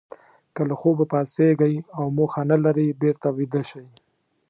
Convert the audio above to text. که له خوبه پاڅېږئ او موخه نه لرئ بېرته ویده شئ.